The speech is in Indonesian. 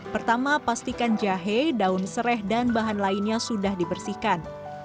pertama pastikan jahe daun seraih dan bahan lainnya sudah dibersihkan